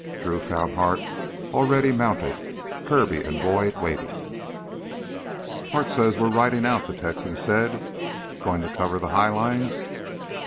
Drew found Hart already mounted, Kirby and Boyd waiting. "Hart says we're ridin' out," the Texan said. "Goin' to cover the high lines?"